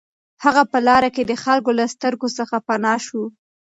هغه په لاره کې د خلکو له سترګو څخه پناه شو